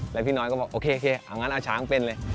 แล้วพี่น้อยก็บอกโอเคเอางั้นเอาช้างเป็นเลย